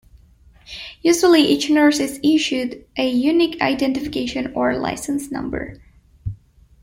Usually each nurse is issued a unique identification or license number.